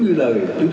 và bảo vệ tổ quốc